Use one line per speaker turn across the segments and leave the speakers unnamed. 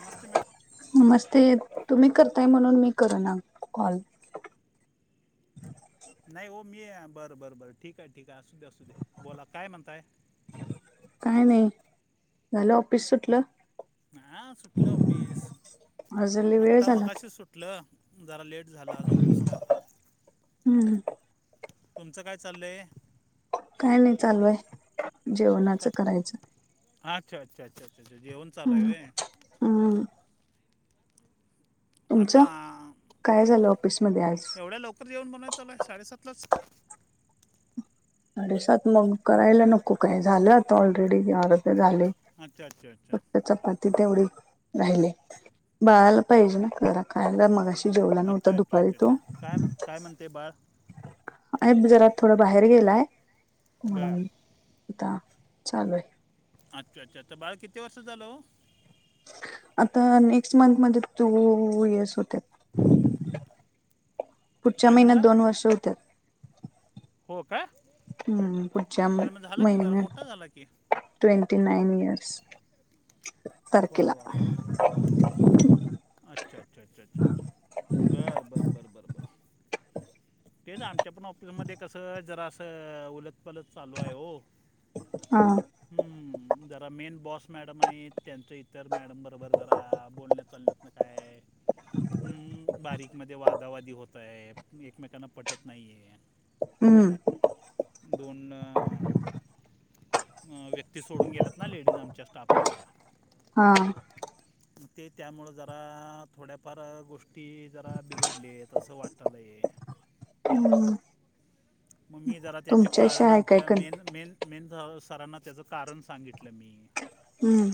नमस्ते madam.
नमस्ते, तुम्ही करताय म्हणून मी करेना कॉल.
नाही हो, मी आहे बरं बरं बरं ठीक आहे, ठीक आहे, असूदे, असूदे बोला काय म्हणताय?
काय नाही झालं ऑफिस सुटलं?
हां सुटलं ऑफिस,
आज लय वेळ
आत्ता
झाला की
मघाशी सुटलं, जरा लेट झाल आज ऑफिसला,
हम्म
तुमचं काय चाललंय?
काय नाही चालू आहे
का
जेवणाचं करायचं.
अच्छा अच्छा अच्छा अच्छा अच्छा जेवण चालू आहे
हम्म
होय?
हम्म.
आता
तुमचं? काय झालं ऑफिसमध्ये आज?
एवढ्या लवकर जेवण बनवायचं चालू आहे साडे सातलाच?
साडेसात मग करायला नको काय झालं आता ऑलरेडी या झालंय.
अच्छा अच्छा अच्छा
आता चपाती तेवढी राहिली, बाळाला पाहिजे ना जरा खायला मघाशी जेवला नव्हता
अच्छा अच्छा
दुपारी
अच्छा अच्छा
तो.
काय काय म्हणते बाळ?
अ जरात थोडं बाहेर गेलाय
बर
म्हणून आता चालू आहे.
अच्छा अच्छा तर बाळ किती वर्षाचं झालं हो?
आता नेक्स्ट मंथ मध्ये टु इयर्स होतेत. पुढच्या
काय
महिन्यात
म्हणला
दोन वर्ष होत्यात.
हो का?
हम्म पूढच्या
अरे मग झाला की जरा मोठा
महिन्यात.
झाला की
ट्वेंटी नाईन इयर्स
वा
तारखेला.
वा वा अच्छा अच्छा अच्छा अच्छा अच्छा बरं बरं बरं बरं बर. तेच आमच्या पण ऑफिसमध्ये कसं जरा असं उलथ पालथ चालू आहे हो.
हा.
हम्म. जरा मेन बॉस मॅडम आहेत त्यां तर मॅडम बरोबर जरा बोलण्यात चालण्यात ना काय बारीकमध्ये वाद दवादी होत आहे एकमेकांना पटत नाही आहे.
हम्म.
दोन व्य ते सोडून गेल्यात ना लेडीज आमच्या स्टाफमधल्या.
हा.
ते त्यामुळं जरा थोड्याफार गोष्टी जरा बिघडली तसं वाटालंय.
हम्म.
मग मी जरा त्याचे
तुमच्या अशी
कारण
आहे काय
आमच्या
कण
मेन मेन मेन सरांना त्याचं कारण सांगितलं मी.
हम्म.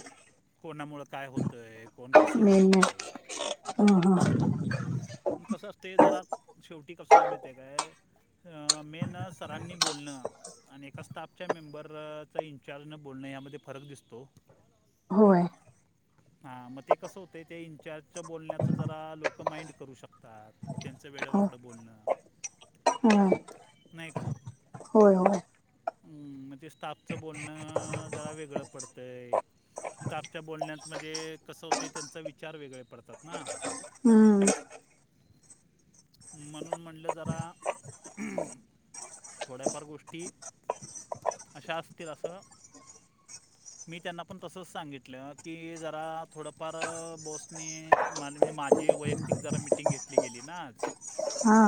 कोणामुळं काय होतंय कोण कसं
मे
वागतंय.
महिन्यात हा हा.
कसं असतें जरा शेवटी कसं आहे माहितय आहे काय? मेन सरांनी बोलणं आणि एका स्टाफच्या मेंबरचा इंचार्ज न बोलणं यामध्ये फरक दिसतो.
होय.
हा मग ते कसं होतें ते इनचार्जच बोलण्याचं जरा लोकं माइंड करू शकतात. त्यांचं वेळं वाकडं बोलणं.
हा‌.
नाही का?
होय होय.
मंग ते स्टाफचं बोलणं जरा वेगळं पडतंय. स्टाफच्या बोलण्यात म्हणजे कसं होते त्यांचा विचार वेगळे पडतात ना.
हम्म.
म्हणून म्हटलं जरा थोड्याफार गोष्टी अशा असतील असं.
[inaudible]
मी त्यांना पण तसंच सांगितलं की जरा थोडंफार बोसनी मानवी माझी व तिक जरा मीटिंग घेतली गेली ना आज.
हा.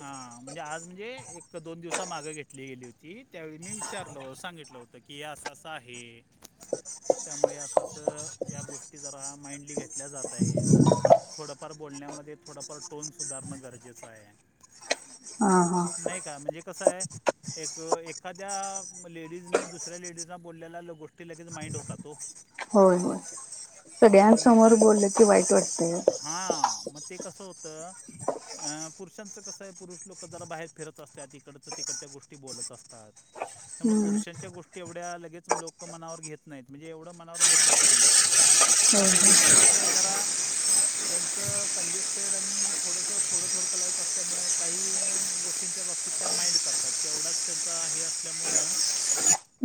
हा. म्हणजे आज म्हणजे एक दोन दिवसामाग घेतली गेली होती त्यावेळी मी विचारल सांगितलं होतं. त की आस अस आहे. त्यामुळे असं असं या गोष्टी जरा माइंडली घेतल्या जात आहेत. थोडंफार बोलण्यामध्ये थोडंफार टोन सुधारणं गरजेचं आहे.
हां हा
नाही का? म्हणजे कसं आहे. एक एखाद्या लेडीजने दुसऱ्या लेडीजला बोललेला गोष्टी लगेच माइंड होता ओ.
होय होय. सगळ्यांसमोर
तस
बोललं की वाईट वाटत ओ.
तर पुरुषांचं कसं आहे पुरुष लोक लोक जरा बाहेर फिरत असत्यात इकडचं, तिकडच्या गोष्टी बोलत असतात. त्यामुळ
हम्म
पुरुषांच्या गोष्टी एवढ्या लगेच लोकं मनावर घेत नाहीत, म्हणजे एवढं मनावर घेत नाहीत ते लोकं
होय
अण
होय
लेडीजचं कसं जरा त्यांचं कंजेस्टेड आणि थोडस थोडं -थोडकं लाईप असल्यामुळे काही गोष्टींच्या बाबतीत त्या माइंड करतात, तेवढाच त्यांचा हे असल्यामुळं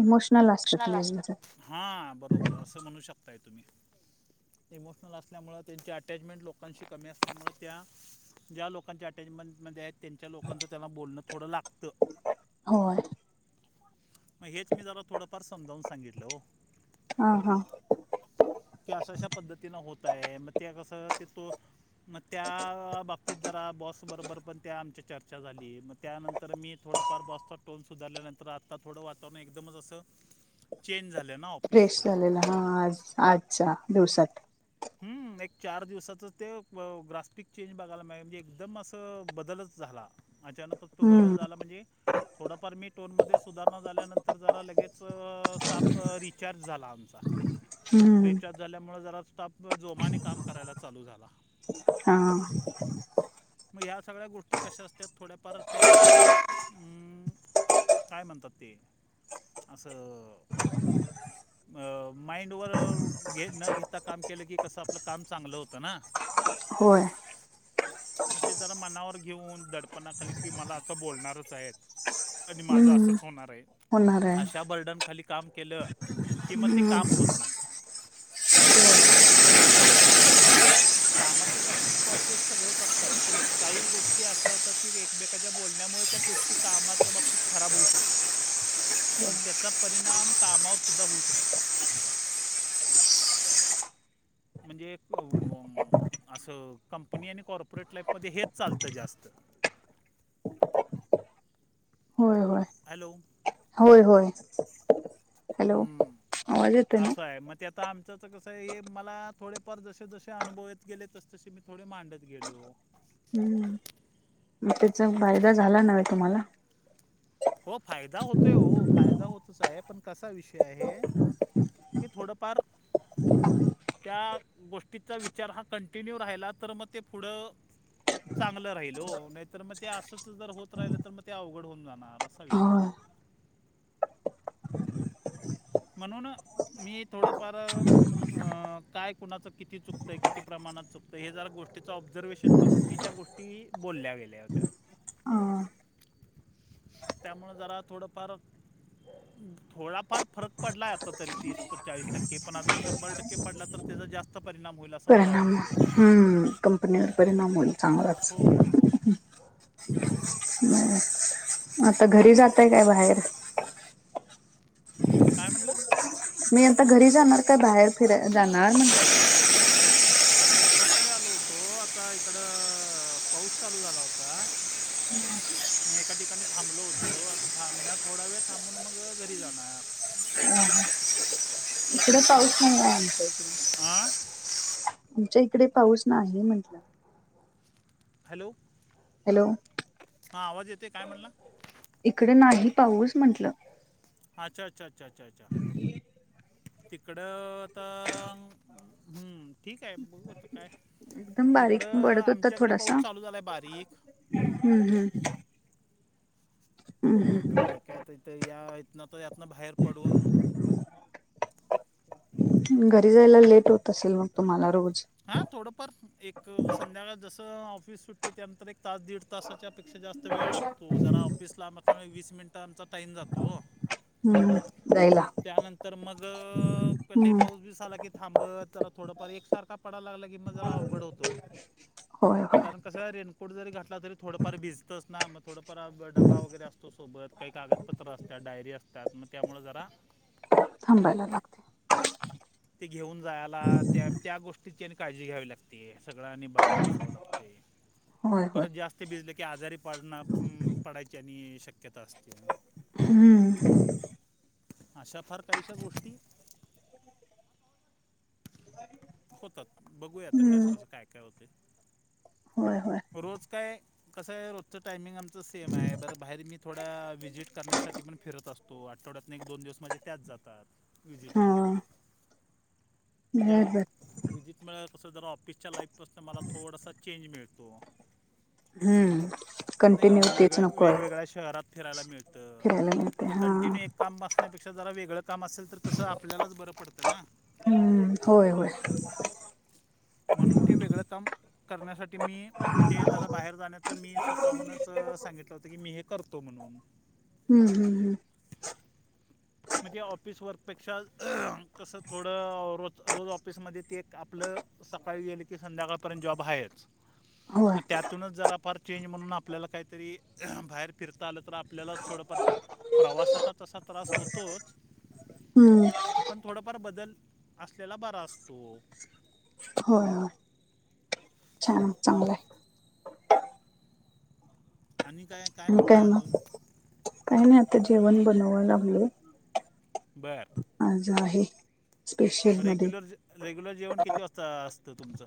इमोशनल असतात
इमोशनल आसता,
लेडीज
हा बरोबर असं म्हणू शकताय तुम्ही इमोशनल असल्यामुळं त्यांची अटॅचमेंट लोकांशी कमी असल्यामुळं त्या ज्या लोकांच्या अटॅचमेंटमध्ये आहेत त्यांच्या लोकांचं त्यांना बोलणं थोडं लागतं.
होय
म हेच मी जरा थोडंफार समजावून सांगितलं हो.
[inaudible]
की अशा, अशा पद्धतीनं होत आहे मग ते कसं ते तो म त्या बाबतीत जरा बॉस बरोबर पण त्या आमच्या चर्चा झाली ये, म त्यानंतर मी थोडंफार बसतता टोन सुधारल्यानंतर आत आता थोडं वातावरण एकदमच असं
[inaudible]
चेंज झाले ना ओ
फ्रेश झालेला हा आज, आजच्या दिवसात.
हम् एक चार दिवसाचंच ते ग्राफ्टिक चेंज बघायला म म्हजे एकदम असं ब बदलचं झाला, अचानकच तो बदल
हम्म
झाला म्हणजे थोडाफार मी टोनमध्ये सुधारणा झाल्यानंतर जरा लगेच स्टाप रि चार्ज झाला आमचा
हम्म
रिचार्ज झाल्यामुळं जरा स्टाफ जोमाने काम करायला चालू झाला.
हा,
मग ह सगळ्या गोष्ट गोष्टी कशा असत्यात, थोड्याफार त्या मं काय म्हणतात ते? आसं
[inaudible]
अ माइंडवर घे न घेता काम केलं की, कसं आपलं काम चांगलं होतं ना.
होय,
म ते जरा मनावर घेऊन दडपणाखाली की मला असं बोलणारच आहे, आणि माझं
हम्म
असंच होणार आहे.
होणार आहे
अशा बर्डन खाली काम केलं, कि मग ते काम होत नाही. म्हणून ते कामाच्या बाबतीत कोशस् सगळेचं असतात, पण काही गोष्टी अशा होतात की एकमेकाच्या बोलण्यामुळे त्या गोष् ती कामाच्या बाबतीत खराब होऊ शकतात.
[inaudible]
आणि त्याचा परिणाम कामावरसुद्धा होऊ शकतो. म्हणजे एक अं वं असं कंपनी आणि कॉर्पोरेट लाईफमध्ये हेच चालतं जास्त.
होय होय
हॅलो,
होय, होय..... हॅलो
हम्म,
आवाज येतोय ना
असं आहे मग त्यात आता आमच्याचं कसं आहे, हे मला थोडेफार जसे- जसे अनुभवेत गेले तसे- तसे मी थोडे मांडत गेलो.
हम्म, मग त्याचा फायदा झाला न व्हे तुम्हाला?
हो फायदा होतोय, हो फायदा होतच आहे, पण कसा विषय आहे कि थोडफार त्या गोष्टीचा विचार हा कंटिन्यू राहिला तर मग ते पुढ चांगल राहील. हो नाहीतर मग ते अच जर होत राहिल तर मग ते अवघड होऊन जाणार अस. असा विषय
होय
ना, म्हणून मी थोडफार काय कुणाच किती चुकत आहे किती प्रमाणात चुकत आहे हे जर गोष्टीच ऑब्झर्वेहेशन करून मी त्या गोष्टी बोलल्या गेल्या होत्या.
ह.
त्यामुळे जरा थोडफार. थोडाफार फरक पडला आहे आता तरी तीस पचाळीस टक्के पण अजून शंभर टक्के पडला तर त्याच जास्त परिणाम होईल अस
परिणाम. हम् कंपनीवर परिणाम होईल चांगलाच.
हो हो हो
आता घरी जातय काय बाहेर?
काय म्हणला?
मी आता घरी जाणार काय बाहेर फिराय जाणार.
नाही -नाही नाही मी एका एका मित्राकडे आलो होतो. आता इकड पाऊस चालू झाला होता.
[inaudible]
मग एका ठिकाणी थांबलो होतो. आता थांब थोडा वेळ थांबून मग घरी जाणार.
[inaudible] इकडे पाऊस नाही आज.
आ
आमच्या इकडे पाऊस नाही.
हॅलो.
हॅलो.
हा आवाज येतोय. काय म्हणला?
इकडे नाही पाऊस म्हंटल.
अच्छा अच्छा अच्छा अच्छा अ्छा.
[inaudible]
तिकड तर, हम्म ठीक आहे. बघू आता काय.
एकदम
तिकड
बारीक पडत होता
आमच्याकडे पाऊस
थोडासा
चालू झालाय बारीक.
हम्म हम्म
बघू आता काय काय इथ या इथन तर यातन तर बाहेर पडून.
घरी जायला लेट होत असेल मग तुम्हाला रोज.
हा थोडफार एक संध्याकाळ जस ऑफिस सुटते त्यानंतर एक तास दीड तासाच्या ेक्षा जास्त वेळ लागतो. जरा ऑफिसला मागच्या वीस मिनिटं आमचा टाईम जातो
हम्म जायला
त्यानंतर मग क ते
हम्म
पाऊस बी झाला की, थांबत, जरा थोडफार एकसारखा पडाला लागला की, मग जरा अवघड होतो हो.
होय होय
कारण कस रेनकोट जरी घातला तरी थोडंफार भिजतस ना मग थोडफार डबा वगैरे असतो सोबत काही कागदपत्र असतात डायरी असतात मग त्यामुळ जरा
थांबायला लागते.
ते घेऊन जायला, त्या त्या गोष्टीची आणि काळजी घ्यावी लागते. सगळ्यांनी बघ बसा लागते
होय होय
परत जास्त हे भिजले की आजारी पडना पडायचे आणि शक्य शक्यता असते.
हम्म
अशा फार काहीश गोष्टी होतात. बघूयाता कस
हम्म
कस काय होतोय.
होय होय
रोज काय कसं आहे रोजचं टायमिंग आम च सेम आहे बरं बाहेर मी थोड्या व्हिजिट करण्यासाठी पण फिरत असतो. आठवड्यातन एक दोन दिवस माझे त्यात जातात
हा
व्हिसिटमध्ये. मग त्या
बर बर
विजिटमुळ कसं जरा ऑफिसच्या लाईफपासून मला थोडासा चेंज मिळतो.
हम्म
नाही का
कंटिन्यू तेच
वेगवेगळ्या
नको आहे
वेगवेगळ्या शहरात फिरायला मिळतं.
फिरायला मिळते
आता
हा
कंटिन्यू एक काम बसण्यापेक्षा जरा वेगळं काम असेल तर कसं आपल्यालाच बरं पडतं ना.
हम्म होय होय
म्हणून ते वेगळं काम करण्यासाठी मी ते जरा बाहेर जाण्यात च मी स्वतःहूनच सांगितलं होत की मी हे करतो म्हणून,
हम्म हम्म हम्
म्हणजे ऑफिस वर्कपेक्षा तसं थोडं रोज रोज ऑफिसमध्ये ते एक आपलं सकाळी गेले की संध्याकाळपर्यंत जॉब आहेच
होय
त्यात त्यातूनच जरा फार चेंज म्हणून आपल्याला काहीतरी बाहेर फिरता आलं तर आप आपल्याला थोडंफार ते प्रवासाचा तसा त्रास होतोच
हम्म
पण थोडंफार बदल असलेला बरा असतो.
होय होय छान चांगलं आहे.
आणि काय?
आणि काय
म्हणताय अजून
मग काही नाही आता जेवण बनवाय लागलोय.
बर
आज आहे स्पेशल मध्ये
रेग्युलर रेग्युलर जेवण किती वाजता असतं तुमचं?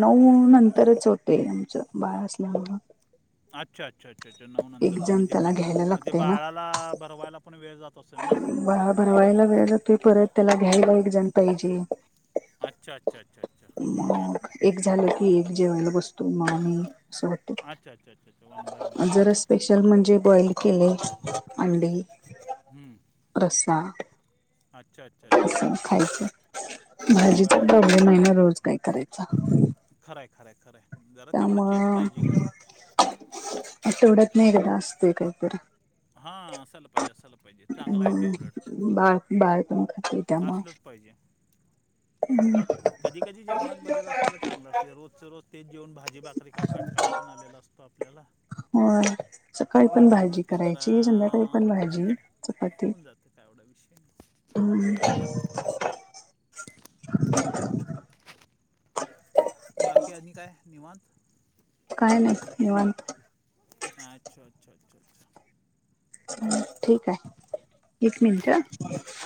नऊ नंतरच होतेय आमचं बाळ असल्यामुळ.
अच्छा अच्छा अच्छा अच्छा नऊ
एक
नंतर
जण
म्हणजे
त्याला
मग
घ्यायला
ते बाळाला भरवायला पण वेळ जात असेल ना
बाळाला भरवायला वेळ जातोय परत त्याला घ्यायला एक जण पाहिजे.
अच्छा अच्छा अच्छा. अच्छा ओके
मग एक झालं की एक जेवायला बसतो मग आम्ही अस,
अच्छ अच्छा अच्छा. वन बाय वन
आमच्या
हां
रस स्पेशल म्हणजे बॉईल केलय अंडे.
हम्म.
रसा.
अच्छा अच्छा अच्छा
अस
अच्छा
खायचं भाजीच
बर
प्रॉब्लेम आहेना रोज काय करायचा.
खरं हाय खरं हाय खरं हाय.
त्यामुळं आठवड्यातन एककदा असतय काहीतरी.
हा असायला पाहिजे असायाला पाहिजे चांगला आहे ते उलट.
बा बाळ तेन खातय त्यामुळ.
असलंच पाहिजे कधी कधी जेवत बदल असेल चांगलं असतय रोजच रोज तेच जेऊन भाजी भाकरी करून कंटाळा पण आलेला असतोय आपल्याला.
[unintelligible] सकाळी पण
त्यामुळं
भाजी
ते जरा
करायची संध्याकाळी पण भाजी,
ठीक आहे
चपाती
होऊन जाते काय एवढा विषय नाही.
हम
बाकी आणि काय निवांत.
काय नाही निवांत.
अच्छा! अच्छा! अच्छा! !
ह ठीक आहे. एक मिनिट ह